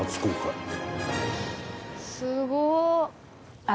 「すごいな」